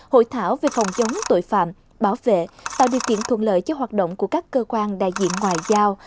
hội thảo về phòng chống tội phạm bảo vệ tạo điều kiện thuận lợi cho hoạt động của các cơ quan đại diện ngoại giao